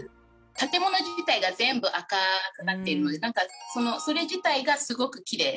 建もの自体が全部赤くなってるのでそれ自体がすごくきれい。